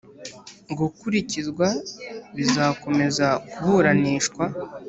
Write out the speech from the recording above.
gukurikizwa bizakomeza kuburanishwa